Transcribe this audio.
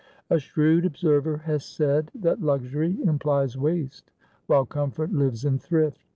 A shrewd observer has said that luxury implies waste while comfort lives in thrift.